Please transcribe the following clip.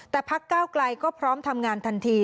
แต่พักเก้าไกลก็พร้อมทำงานทันที